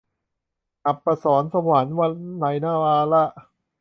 อัปสรสวรรค์ - วลัย นวาระ